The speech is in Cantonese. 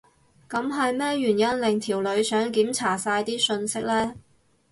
噉係咩原因令條女想檢查晒啲訊息呢？